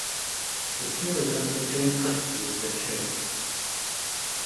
The pair were granted joint custody of their child.